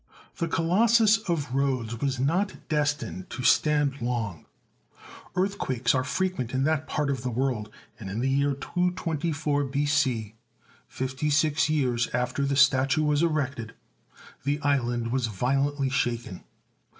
The Colossus of Rhodes was not destined to stand long. Earthquakes are frequent in that part of the world, and in the year 224 B.C., fifty six years after the statue was erected, the island was vio lently shaken.